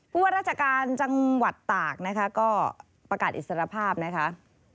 ว่าราชการจังหวัดตากนะคะก็ประกาศอิสรภาพนะคะ